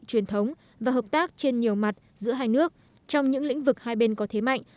truyền thống và hợp tác trên nhiều mặt giữa hai nước trong những lĩnh vực hai bên có thế mạnh